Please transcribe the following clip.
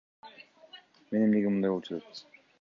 Мен эмнеге мындай болуп жатат?